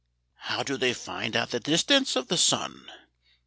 "How do they find out the distance of the sun?"